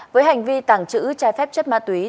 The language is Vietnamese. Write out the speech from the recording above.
với hành vi tăng chữ trái phép chất ma túy